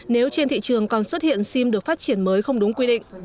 nếu trên thị trường còn xuất hiện sim được phát triển mới không đúng quy định